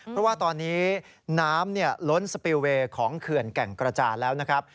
เพราะว่าตอนนี้น้ำล้นสปิลเวย์ของเขื่อนแก่งกระจานแล้วนะครับ